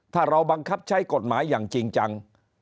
ถ้าเราบังคับใช้กฎหมายอย่างจริงจัง